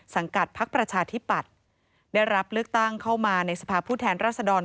สังกัดพักประชาธิปัตย์ได้รับเลือกตั้งเข้ามาในสภาพผู้แทนรัศดร